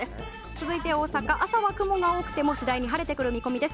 続いて大阪朝は雲が多くても次第に晴れてくる見込みです。